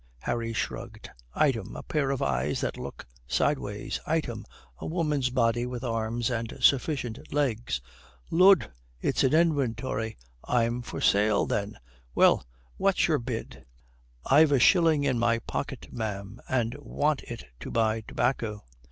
Harry shrugged. "Item a pair of eyes that look sideways; item a woman's body with arms and sufficient legs." "Lud, it's an inventory! I'm for sale, then. Well, what's your bid?" "I've a shilling in my pocket ma'am and want it to buy tobacco."